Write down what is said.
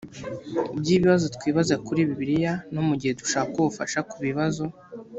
by ibibazo twibaza kuri bibiliya no mu gihe dushaka ubufasha ku bibazo